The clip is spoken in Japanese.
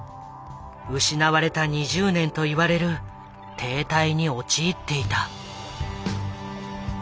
「失われた２０年」といわれる停滞に陥っていた。